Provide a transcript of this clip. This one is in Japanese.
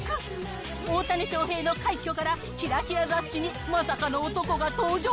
大谷翔平の快挙からきらきら雑誌にまさかの男が登場？